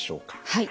はい。